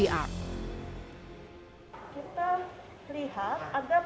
kita lihat ada pertemuan